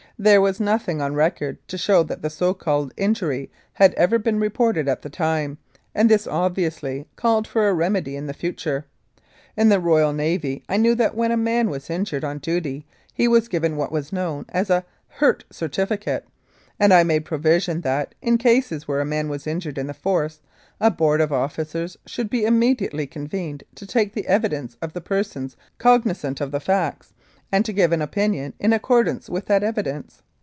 There was nothing on record to show that the so called injury had ever been reported at the time, and this obviously called for a remedy in the future. In the Royal Navy I knew that when a man was injured on duty he was given what was known as a "hurt certifi cate," and I made a provision that, in cases where a man was injured in the Force a board of officers should be immediately convened to take the evidence of the persons cognisant of the facts, and to give an opinion in accordance with that evidence.